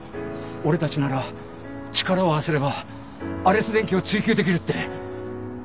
俺たちなら力を合わせればアレス電機を追及できるって。